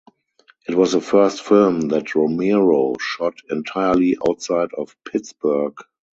It was the first film that Romero shot entirely outside of Pittsburgh.